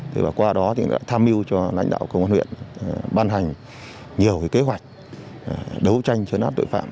thế và qua đó thì đã tham mưu cho lãnh đạo công an huyện ban hành nhiều cái kế hoạch đấu tranh chấn áp tội phạm